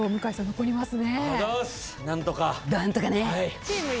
残りますね。